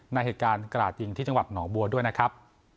ในเหตุการณ์กระดาษยิงที่จังหวัดหนองบัวด้วยนะครับ